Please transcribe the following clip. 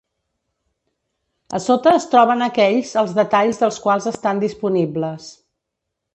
A sota es troben aquells els detalls dels quals estan disponibles.